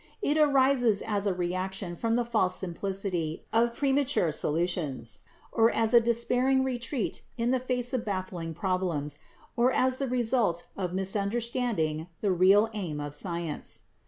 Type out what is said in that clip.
It arises as a reaction from the false simplicity of premature solutions, or as a despairing retreat in the face of baffling problems, or as the result of misunderstanding the real aim of science.